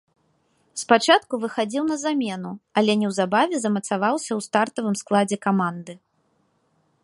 Спачатку выхадзіў на замену, але неўзабаве замацаваўся ў стартавым складзе каманды.